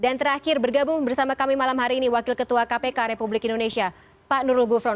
dan terakhir bergabung bersama kami malam hari ini wakil ketua kpk republik indonesia pak nurul gufron